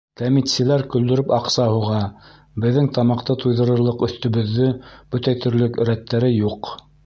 Кәмитселәр көлдөрөп аҡса һуға, беҙҙең тамаҡты туйҙырырлыҡ, өҫтөбөҙҙө бөтәйтерлек рәттәре юҡ.